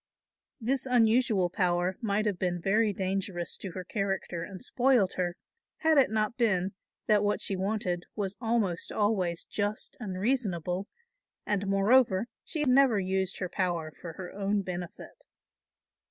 This unusual power might have been very dangerous to her character and spoiled her, had it not been that what she wanted was almost always just and reasonable and moreover she never used her power for her own benefit.